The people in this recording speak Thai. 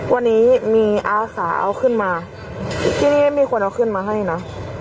วันนี้มีอาสาเอาขึ้นมาที่นี่มีคนเอาขึ้นมาให้นะ